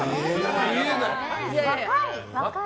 若い。